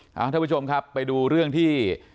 ท่านผู้ชมครับไปดูเรื่องที่